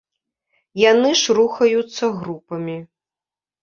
Яны ж рухаюцца групамі.